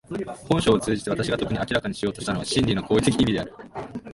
本書を通じて私が特に明らかにしようとしたのは真理の行為的意味である。